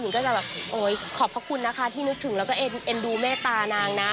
ก็จะแบบโอ๊ยขอบพระคุณนะคะที่นึกถึงแล้วก็เอ็นดูเมตตานางนะ